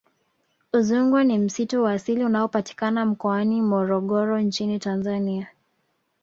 Udzungwa ni msitu wa asili unaopatikana mkoani Morogoro nchini Tanzania